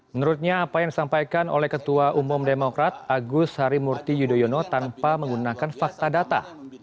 menurutnya apa yang disampaikan oleh ketua umum demokrat agus harimurti yudhoyono tanpa menggunakan fakta data